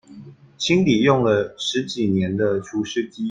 清理用了十幾年的除濕機